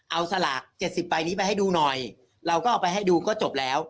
เอาสลาก๗๐ใบนี้ไปให้ดูหน่อยเราก็เอาไปให้ดูก็จบแล้ว